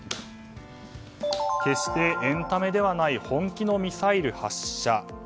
決してエンタメではない本気のミサイル発射。